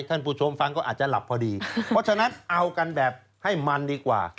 ท่านผู้ชมฟังก็อาจจะหลับพอดีเพราะฉะนั้นเอากันแบบให้มันดีกว่า